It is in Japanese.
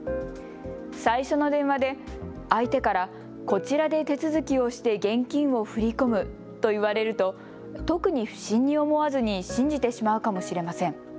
最初の電話で相手からこちらで手続きをして現金を振り込むと言われると特に不審に思わずに信じてしまうかもしれません。